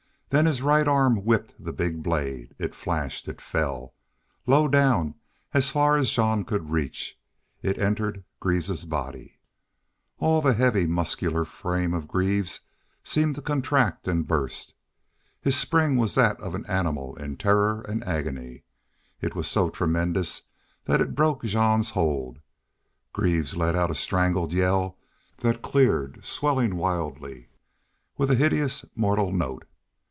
Then his right arm whipped the big blade. It flashed. It fell. Low down, as far as Jean could reach, it entered Greaves's body. All the heavy, muscular frame of Greaves seemed to contract and burst. His spring was that of an animal in terror and agony. It was so tremendous that it broke Jean's hold. Greaves let out a strangled yell that cleared, swelling wildly, with a hideous mortal note.